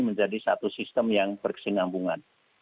menjadi satu sistem yang berkesinambungan